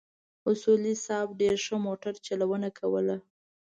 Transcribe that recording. اصولي صیب ډېره ښه موټر چلونه کوله.